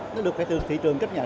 nó được phải từ thị trường cấp nhận